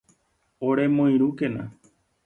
Oremoirũkena